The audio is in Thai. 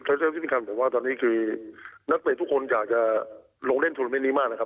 เจอพฤติกรรมผมว่าตอนนี้คือนักเตะทุกคนอยากจะลงเล่นโทรเมนต์นี้มากนะครับ